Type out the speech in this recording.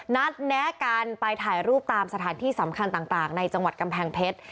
แนะกันไปถ่ายรูปตามสถานที่สำคัญต่างในจังหวัดกำแพงเพชร